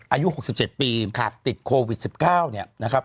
อายุ๖๗ปีติดโควิด๑๙เนี่ยนะครับ